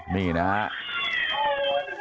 นี่นะฮะ